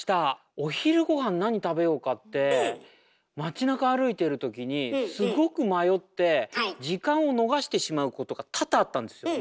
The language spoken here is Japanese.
お昼ごはん何食べようかって街なか歩いてる時にすごく迷って時間を逃してしまうことが多々あったんですよ。